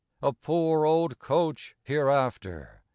A poor old coach hereafter!